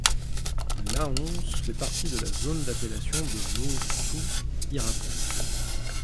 Lahonce fait partie de la zone d'appellation de l'ossau-iraty.